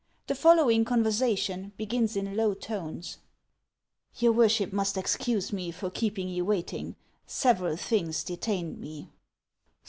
The following conversation begins in low tones :— "Your worship must excuse me for keeping you wait ing; several things detained me."